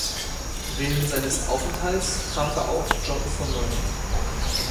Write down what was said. Während seines Aufenthalts traf er auch John von Neumann.